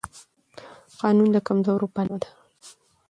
قانون د کمزورو پناه ده